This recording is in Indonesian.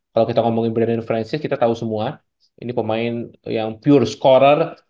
kalau kita ngomongin brand francis kita tahu semua ini pemain yang pure scorer